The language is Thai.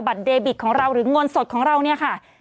เดบิตของเราหรือเงินสดของเราเนี่ยค่ะ